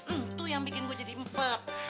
itu yang bikin gue jadi empet